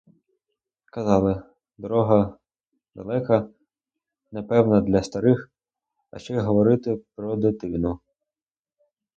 Казали: дорога далека, непевна для старих, а що й говорити про дитину!